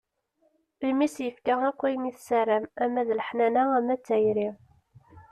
Imi i s-yefka akk ayen i tessaram ama d leḥnana, ama d tayri.